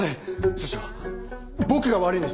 社長僕が悪いんです。